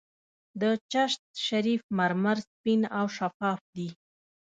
د چشت شریف مرمر سپین او شفاف دي.